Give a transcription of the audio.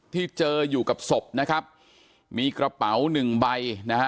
ที่เจออยู่กับศพนะครับมีกระเป๋าหนึ่งใบนะฮะ